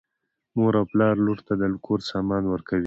مور او پلار لور ته د کور سامان ورکوي.